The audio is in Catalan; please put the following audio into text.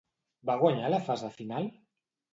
Va guanyar la fase final?